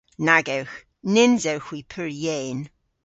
Nag ewgh. Nyns ewgh hwi pur yeyn.